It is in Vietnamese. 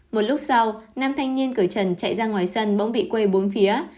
một lúc sau năm thanh niên cởi trần chạy ra ngoài sân bỗng bị quây bốn phía